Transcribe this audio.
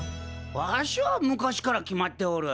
わしは昔から決まっておる。